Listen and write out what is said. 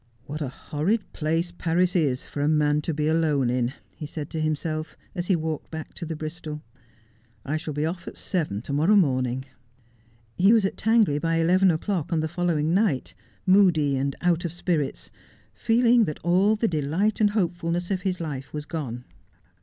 ' What a horrid place Paris is for a man to be alone in !' he said to himself, as he walked back to the Bristol. ' I shall be off at seven to morrow morning.' He was at Tangley by eleven o'clock on the following night, moody and out of spirits, feeling that all the delight and hope fulness of his life was gone.